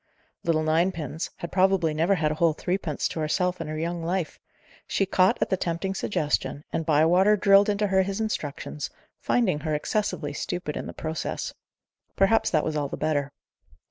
"Little ninepins" had probably never had a whole threepence to herself in her young life. She caught at the tempting suggestion, and Bywater drilled into her his instructions, finding her excessively stupid in the process. Perhaps that was all the better.